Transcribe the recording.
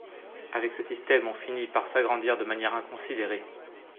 Avec ce système, on finit par s’agrandir de manière inconsidérée.